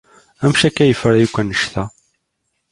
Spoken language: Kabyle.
Amek akka ay yefra akk wanect-a?